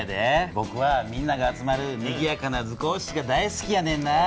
ぼくはみんなが集まるにぎやかな図工室が大好きやねんな。